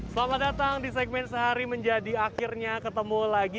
selamat datang di segmen sehari menjadi akhirnya ketemu lagi